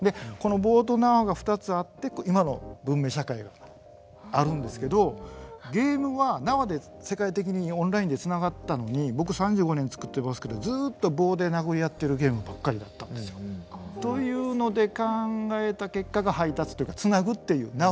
この棒と縄が２つあって今の文明社会があるんですけどゲームは縄で世界的にオンラインで繋がったのに僕３５年つくってますけどずっと棒で殴り合ってるゲームばっかりだったんですよ。というので考えた結果が配達というか繋ぐっていう。